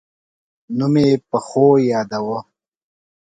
نوم یې په ښو یاداوه.